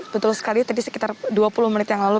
betul sekali tadi sekitar dua puluh menit yang lalu